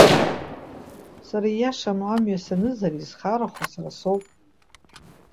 Сара ииашам амҩа санызар, изхарахо сара соуп.